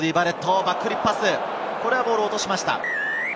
ボールを落としました。